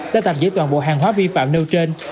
đã tạm giữ toàn bộ hàng hóa vi phạm nêu trên